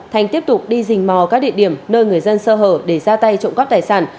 thành tiếp tục đi rình mò các địa điểm nơi người dân sơ hở để ra tay trộm cắp tài sản